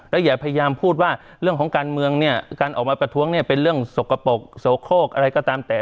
แล้วอย่าพยายามพูดว่าเรื่องของการเมืองเนี่ยการออกมาประท้วงเนี่ยเป็นเรื่องสกปรกโสโคกอะไรก็ตามแต่